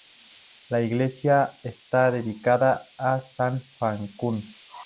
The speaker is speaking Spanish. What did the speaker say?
La iglesia está dedicada a san Facundo.